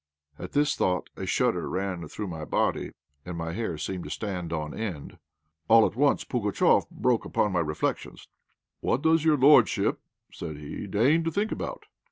At this thought a shudder ran through my body, and my hair seemed to stand on end. All at once Pugatchéf broke upon my reflections. "What does your lordship," said he, "deign to think about?"